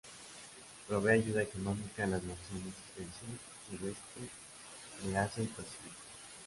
Provee ayuda económica a las naciones del sur, sudeste de Asia y Pacífico.